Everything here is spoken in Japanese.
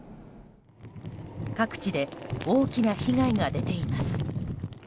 各地で大きな被害が出ています。